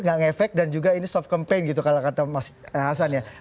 gak ngefek dan juga ini soft campaign gitu kalau kata mas hasan ya